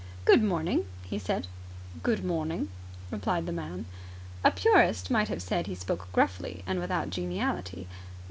"Good morning," he said. "Good morning," replied the man. A purist might have said he spoke gruffly and without geniality.